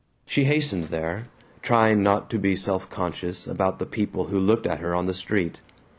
She hastened there, trying not to be self conscious about the people who looked at her on the street.